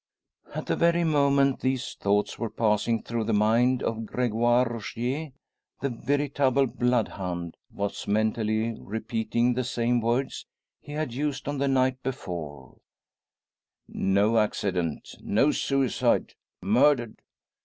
At the very moment these thoughts were passing through the mind of Gregoire Rogier, the "veritable bloodhound" was mentally repeating the same words he had used on the night before: "No accident no suicide murdered!"